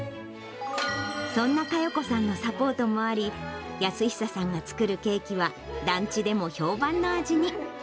そんな加代子さんのサポートもあり、泰久さんが作るケーキは、団地でも評判の味に。